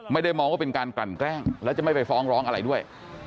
ไม่ได้มองว่าเป็นการกลั่นแกล้งและจะไม่ไปฟ้องร้องอะไรด้วย